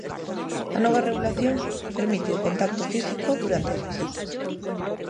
A nova regulación, permite o contacto físico durante as visitas.